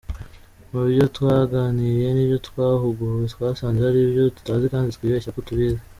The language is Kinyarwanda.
Mu byo twaganiriye n’ibyo twahuguwe, twasanze hari ibyo tutazi kandi twibeshya ko tubizi.